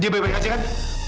dia baik baik aja kan